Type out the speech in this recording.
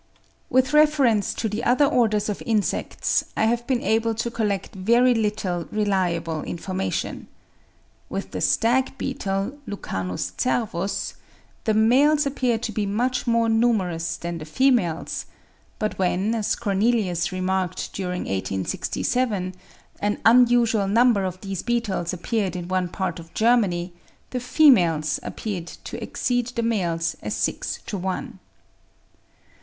With reference to the other Orders of insects, I have been able to collect very little reliable information. With the stag beetle (Lucanus cervus) "the males appear to be much more numerous than the females"; but when, as Cornelius remarked during 1867, an unusual number of these beetles appeared in one part of Germany, the females appeared to exceed the males as six to one.